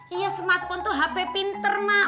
iya smartphone itu hp pinter mah